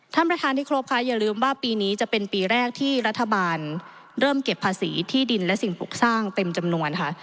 ท่านประธานที่ครบค่ะอย่าลืมว่าปีนี้จะเป็นปีแรกที่รัฐบาลเริ่มเก็บภาษีที่ดินและสิ่งปลูกสร้างเต็มจำนวนค่ะ